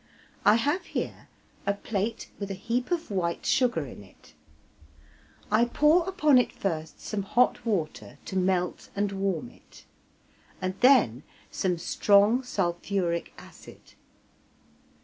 I have here a plate with a heap of white sugar in it. I pour upon it first some hot water to melt and warm it, and then some strong sulphuric acid.